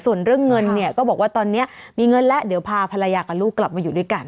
ส่วนเรื่องเงินเนี่ยก็บอกว่าตอนนี้มีเงินแล้วเดี๋ยวพาภรรยากับลูกกลับมาอยู่ด้วยกัน